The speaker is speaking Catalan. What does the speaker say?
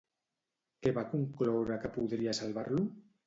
Què va concloure que podria salvar-lo?